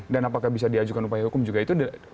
dan apakah bisa diajukan upaya hukum juga itu